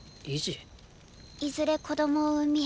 いずれ子供を産み